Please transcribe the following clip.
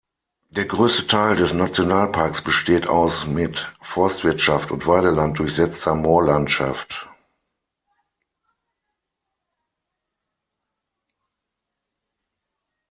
Der größte Teil des Nationalparks besteht aus mit Forstwirtschaft und Weideland durchsetzter Moorlandschaft.